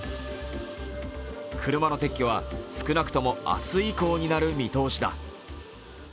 車の撤去は少なくとも明日以降になる見通しだ。